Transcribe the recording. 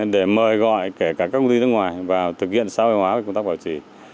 để mời gọi kể cả các công ty nước ngoài vào thực hiện xã hội hóa công tác bảo trì